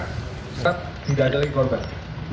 tetap tidak ada lagi korban